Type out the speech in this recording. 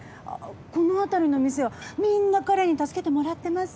この辺りの店はみんな彼に助けてもらってます。